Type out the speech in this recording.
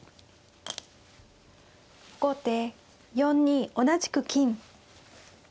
後手４二同じく金。